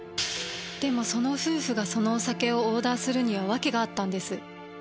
でもその夫婦がそのお酒をオーダーするには訳があったんです。